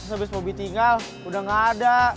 abis bobi tinggal udah gak ada